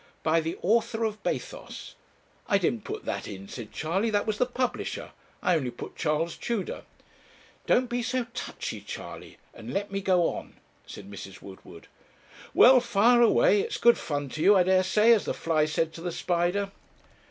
"By the author of 'Bathos.'" 'I didn't put that in,' said Charley, 'that was the publisher. I only put Charles Tudor.' 'Don't be so touchy, Charley, and let me go on,' said Mrs. Woodward. 'Well, fire away it's good fun to you, I dare say, as the fly said to the spider.'